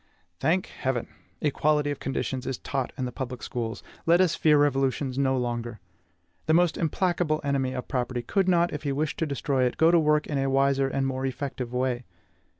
Thank Heaven! equality of conditions is taught in the public schools; let us fear revolutions no longer. The most implacable enemy of property could not, if he wished to destroy it, go to work in a wiser and more effective way.